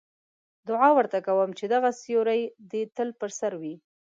دعا ورته کوم چې دغه سیوری دې تل په سر وي.